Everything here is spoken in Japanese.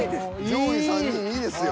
上位３人いいですよ。